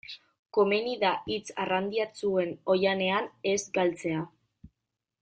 Komeni da hitz arrandiatsuen oihanean ez galtzea.